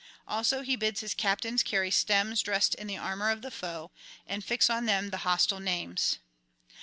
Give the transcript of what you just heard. Also he bids his captains carry stems dressed in the armour of the foe, and fix on them the hostile names.